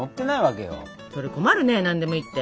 それ困るね何でもいいって。